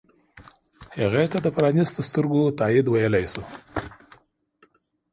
هغې ته د پرانیستو سترګو تایید ویلی شو.